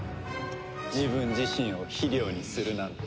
自分自身を肥料にするなんて。